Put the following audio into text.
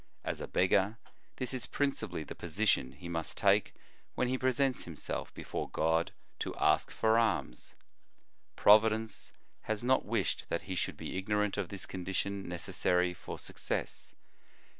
As a beggar, this is principally the position he must take when he presents himself before God to ask for alms. Providence has not wished that he should be ignorant of this condition necessary for success.